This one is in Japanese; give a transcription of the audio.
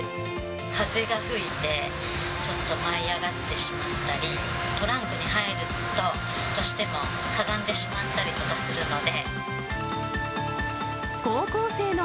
風が吹いて、ちょっと舞い上がってしまったり、トランクに入ると、どうしてもかがんでしまったりとかするので。